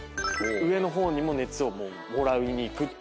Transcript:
上の方にも熱をもらいに行くっていう。